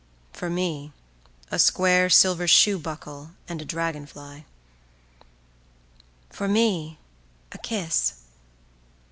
"For me, a square silver shoe buckle and a dragonfly—""For me, a kiss.